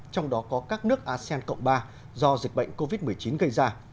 trong đó có các nước asean cộng ba do dịch bệnh covid một mươi chín gây ra